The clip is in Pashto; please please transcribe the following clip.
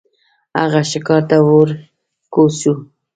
هغه ښکار ته ور کوز شو.